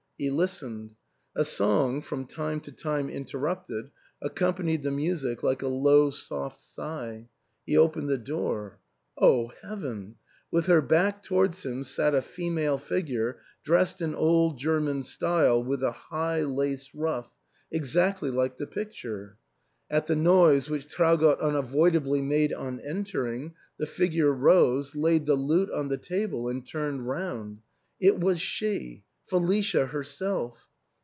He listened ; a song, from time to time interrupted, accompanied the music like a low soft sigh. He opened the door. O Heaven ! with her back towards him sat a female figure, dressed in old German style with a h\g,\\\2Le^T\x^^^"ia.^'v^^"^^^ 346 ARTHURS HALL. the picture. At the noise which Traugott unavoidably made on entering, the figure rose, laid the lute on the table, and turned round. It was she, Felicia herself!